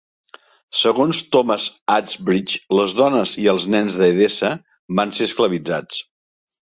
Segons Thomas Asbridge, les dones i els nens d'Edessa van ser esclavitzats.